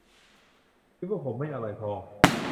ผมคิดว่าผมไม่อร่อยพอ